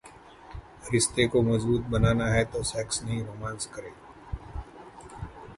रिश्ते को मजबूत बनाना है तो सेक्स नहीं रोमांस करें...